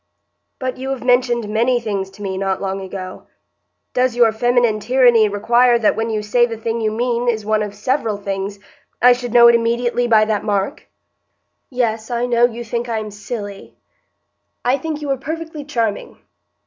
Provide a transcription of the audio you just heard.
"But you have mentioned many things to me not long ago. Does your feminine tyranny require that when you say the thing you mean is one of several things, I should know it immediately by that mark?" "Yes, I know you think I am silly." "I think you are perfectly charming."